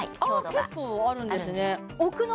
結構あるんですね